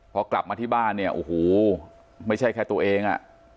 พอกลับมาที่บ้านเนี่ยโอ้โหไม่ใช่แค่ตัวเองอ่ะ